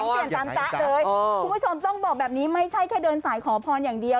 คุณผู้ชมต้องบอกแบบนี้ไม่ใช่แค่เดินสายขอพรอย่างเดียว